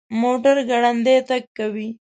موټر ګړندی تګ کوي